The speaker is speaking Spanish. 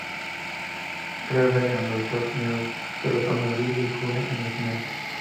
Trebek ganó el torneo, derrotando Bill Cullen en los finales.